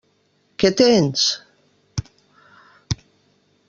Què tens?